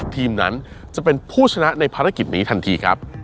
ทีมนั้นจะเป็นผู้ชนะในภารกิจนี้ทันทีครับ